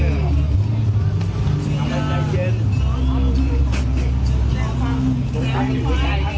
ยายอะน่ะล้มลงไปแล้วอะ